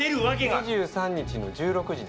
２３日の１６時ですね。